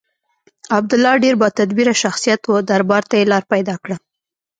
عبدالله ډېر با تدبیره شخصیت و دربار ته یې لاره پیدا کړه.